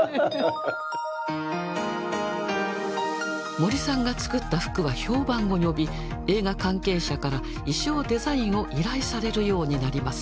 森さんが作った服は評判を呼び映画関係者から衣装デザインを依頼されるようになります。